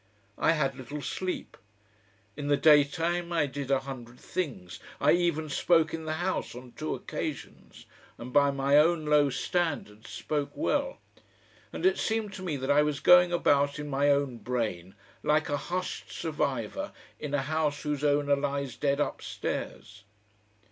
I had little sleep. In the daytime I did a hundred things, I even spoke in the House on two occasions, and by my own low standards spoke well, and it seemed to me that I was going about in my own brain like a hushed survivor in a house whose owner lies dead upstairs.